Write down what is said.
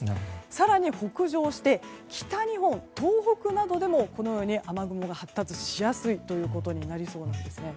更に北上して北日本、東北などでも雨雲が発達しやすいということになりそうなんです。